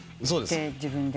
そうです。